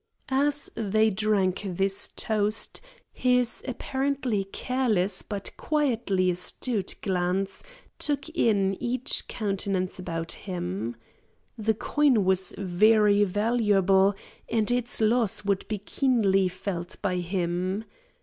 As they drank this toast, his apparently careless, but quietly astute, glance took in each countenance about him. The coin was very valuable and its loss would be keenly felt by him.